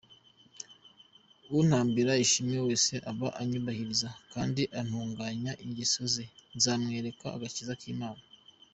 Untambira ishimwe wese aba anyubahiriza, Kandi utunganya ingeso ze, Nzamwereka agakiza k’Imana